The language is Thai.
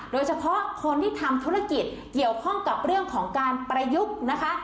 โดยเฉพาะคนที่ทำธุรกิจเกี่ยวข้องกับเรื่องของการประยุกต์นะคะ